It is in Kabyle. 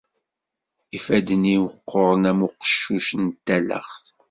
Ifadden-iw qquren am uceqquf n talaɣt.